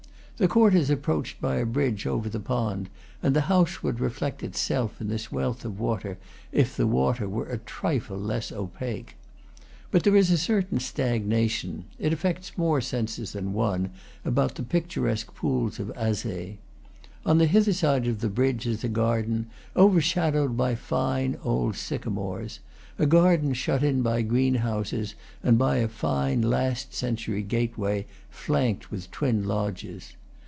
The court is ap proachcd by a bridge over the pond, and the house would reflect itself in this wealth of water if the water were a trifle less opaque. But there is a certain stagnation it affects more senses than one about the picturesque pools of Azay. On the hither side of the bridge is a garden, overshadowed by fine old sycamores, a garden shut in by greenhouses and by a fine last century gateway, flanked with twin lodges.